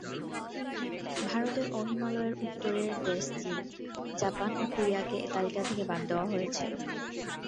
ভারতের ও হিমালয়ের উত্তরের দেশ চীন, জাপান ও কোরিয়াকে এ তালিকা থেকে বাদ দেওয়া হয়েছে।